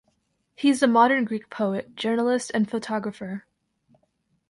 He is a modern Greek poet, journalist, and photographer.